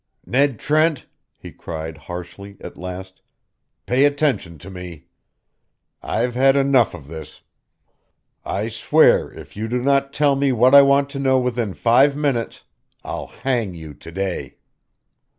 "Ned Trent," he cried, harshly, at last, "pay attention to me. I've had enough of this. I swear if you do not tell me what I want to know within five minutes, I'll hang you to day!"